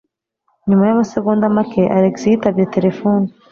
Nyuma yamasegonda make Alex yitabye terefone.